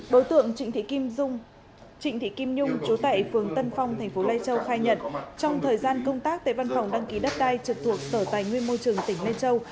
bối tượng trịnh thị kim nhung trụ tại phường tân phong tp lai châu khai nhận trong thời gian công tác tại văn phòng đăng ký đất đai trực thuộc sở tài nguyên môi trường tỉnh lai châu